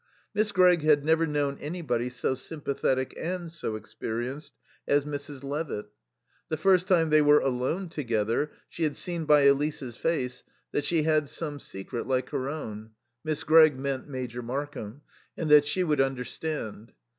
Miss Gregg had never known anybody so sympathetic and so experienced as Mrs. Levitt. The first time they were alone together she had seen by Elise's face that she had some secret like her own (Miss Gregg meant Major Markham), and that she would understand.